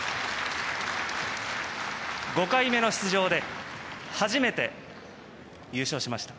５回目の出場で初めて優勝しました。